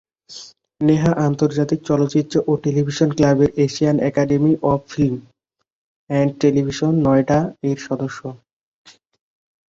নেহা আন্তর্জাতিক চলচ্চিত্র ও টেলিভিশন ক্লাবের Asian Academy of Film and Television, নয়ডা-এর সদস্য।